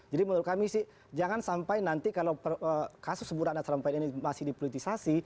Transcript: jadi menurut kami sih jangan sampai nanti kalau kasus burak nasional mumpet ini masih dipolitisikan